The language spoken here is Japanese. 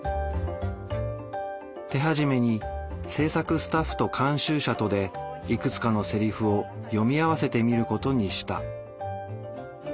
手始めに制作スタッフと監修者とでいくつかのセリフを読み合わせてみることにした。